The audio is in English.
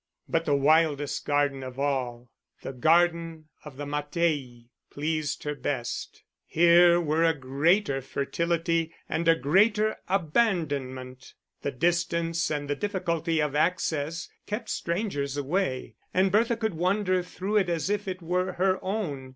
But the wildest garden of all, the garden of the Mattei, pleased her best. Here were a greater fertility and a greater abandonment; the distance and the difficulty of access kept strangers away, and Bertha could wander through it as if it were her own.